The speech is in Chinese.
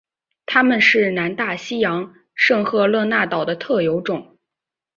它们是南大西洋圣赫勒拿岛的特有种。